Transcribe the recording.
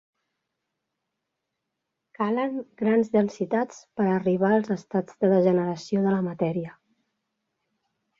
Calen grans densitats per a arribar als estats de degeneració de la matèria.